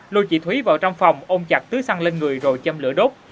lôi chị thúy vào trong phòng ôm chặt tứ xăng lên người rồi châm lửa đốt